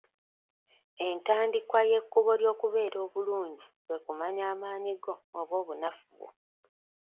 Entandikwa y'ekkubo ly'okubeera obulungi kwe kumanya amaanyi go oba obunafu bwo.